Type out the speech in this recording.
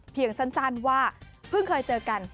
เพียงสั้นว่าเพิ่งเคยเจอกัน